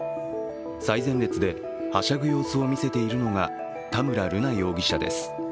最前列ではしゃぐ様子を見せているのが田村瑠奈容疑者です。